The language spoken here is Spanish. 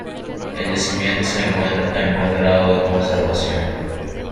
El yacimiento se encuentra en un buen grado de conservación.